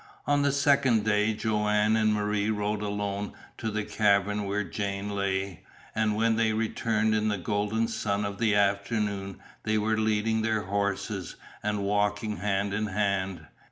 On the second day Joanne and Marie rode alone to the cavern where Jane lay, and when they returned in the golden sun of the afternoon they were leading their horses, and walking hand in hand.